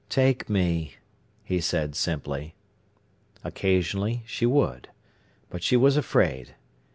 "Take me!" he said simply. Occasionally she would. But she was afraid.